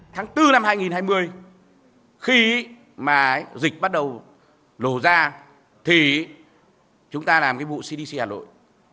tháng bốn năm hai nghìn hai mươi khi mà dịch bắt đầu lồ ra thì chúng ta làm cái bộ cdc hà nội